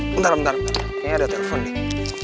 bentar bentar kayaknya udah telfon nih